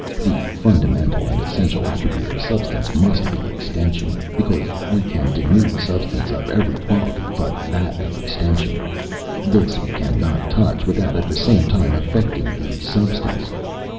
The fundamental and essential attribute of substance must be extension, because we can denude substance of every quality but that of extension; this we cannot touch without at the same time affecting the substance..